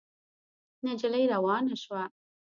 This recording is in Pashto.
نجلۍ روانه شوه.